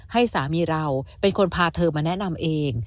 ให้สามีเราเป็นคนพาเธอมาแนะนำเอง